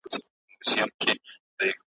په وطن کي چی نېستي سي د پوهانو ,